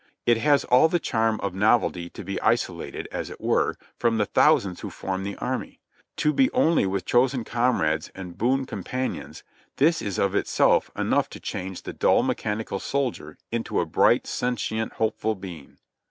It has all the charm of novelty to be isolated, as it were, from the thousands who form the army. To be only with chosen comrades and boon companions — this is of itself enough to change the dull, mechanical soldier into a bright, sentient, hopeful being.